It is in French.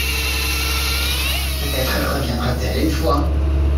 Peut-être reviendra-t-elle une fois.